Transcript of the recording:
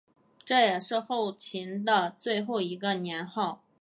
这也是后秦的最后一个年号。